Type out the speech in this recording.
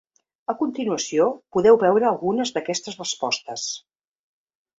A continuació podeu veure algunes d’aquestes respostes.